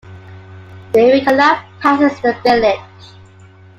The Erie Canal passes the village.